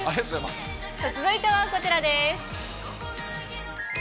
続いてはこちらです。